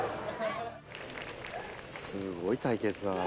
すごい対決だな。